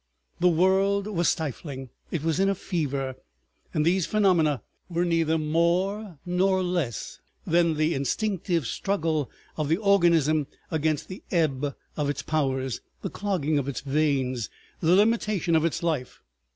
The world was stifling; it was in a fever, and these phenomena were neither more nor less than the instinctive struggle of the organism against the ebb of its powers, the clogging of its veins, the limitation of its life.